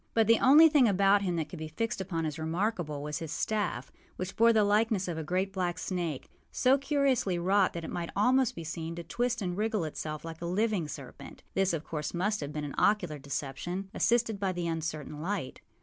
But the only thing about him that could be fixed upon as remarkable was his staff, which bore the likeness of a great black snake, so curiously wrought that it might almost be seen to twist and wriggle itself like a living serpent. This, of course, must have been an ocular deception, assisted by the uncertain light.